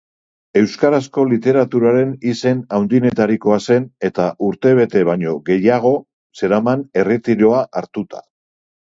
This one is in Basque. Euskarazko literaturaren izen handienetarikoa zen eta urtebete baino gehiago zeraman erretiroa hartuta.